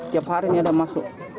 tiap hari ini ada masuk